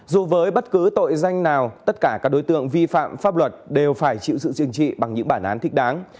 dù với bất cứ tội danh nào tất cả các đối tượng vi phạm pháp luật đều phải chịu sự chênh trị bằng những bản án thích đáng